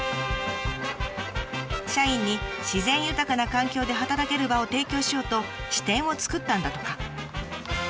社員に自然豊かな環境で働ける場を提供しようと支店を作ったんだとか。